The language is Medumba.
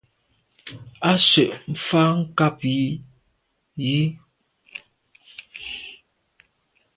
À se’ mfà nkàb i yi.